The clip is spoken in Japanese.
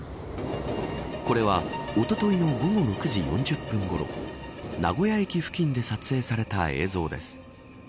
これはおとといの午後６時４０分ごろ名古屋駅付近で撮影された映像です。